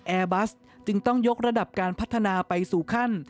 แอร์บัสจึงต้องยกระดับการพัฒนาไปสู่ขั้น